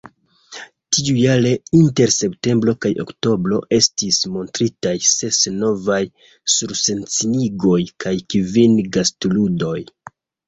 Tiujare, inter septembro kaj oktobro, estis montritaj ses novaj surscenigoj kaj kvin gastludoj.